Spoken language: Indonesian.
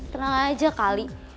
tenang aja kali